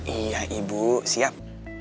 iya ibu siap